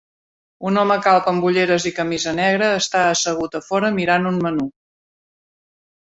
Un home calb amb ulleres i camisa negra està assegut a fora mirant un menú.